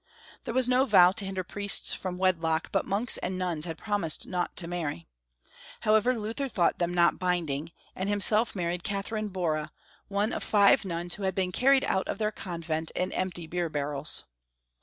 There was no vow to hinder priests from wedlock, but monks and nuns had promised not to marry. However, Luther thought them not binding, and himself married Katherine Bora, one of five nuns who had been carried out of their convent in empty beer barrels.